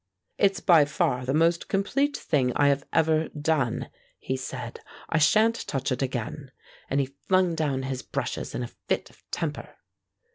"It's by far the most complete thing I have ever done," he said. "I sha'n't touch it again," and he flung down his brushes in a fit of temper.